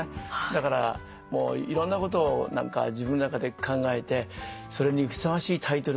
だからいろんなことを自分の中で考えてそれにふさわしいタイトルって何かな？